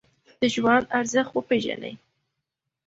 د ژوند ارزښت وپیژنئ